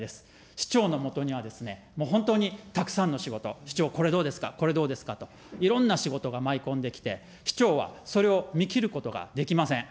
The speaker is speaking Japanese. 市長のもとにはもう本当にたくさんの仕事、市長、これどうですか、これどうですかと、いろんな仕事が舞い込んできて、市長はそれを見きることができません。